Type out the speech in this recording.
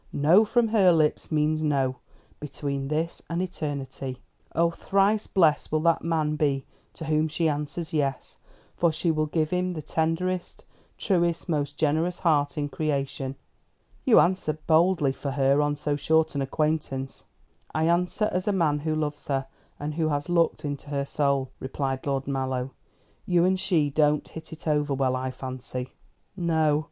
No from her lips means No, between this and eternity. Oh, thrice blessed will that man be to whom she answers Yes; for she will give him the tenderest, truest, most generous heart in creation." "You answer boldly for her on so short an acquaintance." "I answer as a man who loves her, and who has looked into her soul," replied Lord Mallow. "You and she don't hit it over well, I fancy." "No.